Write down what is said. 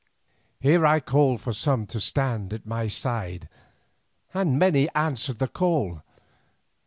Here I called for some to stand at my side, and many answered to my call.